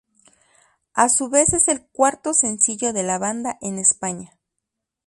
A su vez es el cuarto Sencillo de la banda en España.